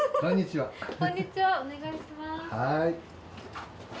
はい。